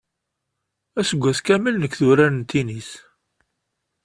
Aseggas kamel nekk d urar n tinis.